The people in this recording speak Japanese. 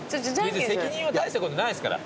責任は大したことないですから。